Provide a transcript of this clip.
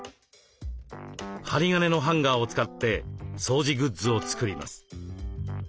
針金のハンガーを使って掃除グッズを作ります。